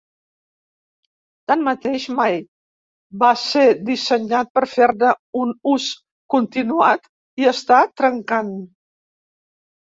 Tanmateix, mai va ser dissenyat per fer-ne un ús continuat i està trencant.